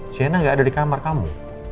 sienna gak ada di kamar kamu